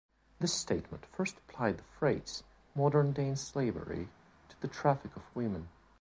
This statement first applied the phrase "modern day slavery" to the traffic of women.